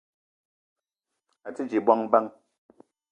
O te dje bongo bang ?